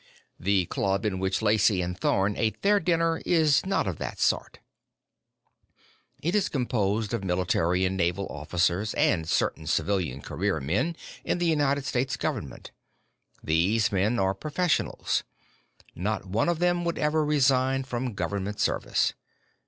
The club in which Lacey and Thorn ate their dinner is not of that sort. It is composed of military and naval officers and certain civilian career men in the United States Government. These men are professionals. Not one of them would ever resign from government service.